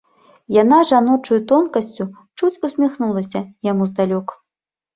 Яна з жаночаю тонкасцю чуць усміхнулася яму здалёк.